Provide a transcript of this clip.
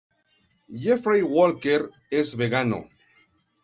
Jeffrey Walker es vegano.